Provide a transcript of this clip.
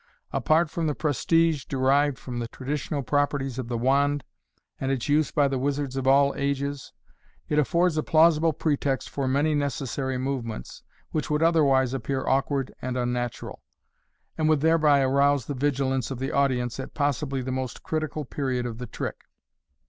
Apart from the prestige derived from the traditional properties of the wand, and its use by the wizards of all ages, it affords a plausible pretext for many necessary movements, which would otherwise appear awkward and unnatural, and would thereby arouse the vigilance of the audience at possibly the most critical period of the trick.